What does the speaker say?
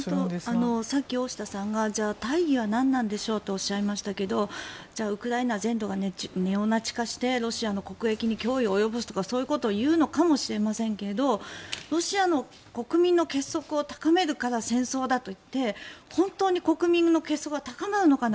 さっき大下さんが大義は何なんでしょうとおっしゃいましたけどウクライナ全土がネオナチ化してロシアの国益に脅威を及ぼすとかそういうことを言うのかもしれませんがロシアの国民の結束を高めるから戦争だといって本当に国民の結束は高まるのか。